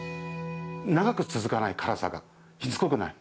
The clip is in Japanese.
長く続かない辛さがしつこくない。